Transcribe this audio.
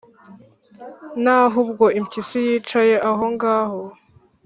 naho ubwo impyisi yicaye aho ngaho,